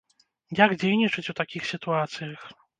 Як дзейнічаць у такіх сітуацыях?